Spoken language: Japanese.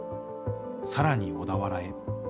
さらに小田原へ。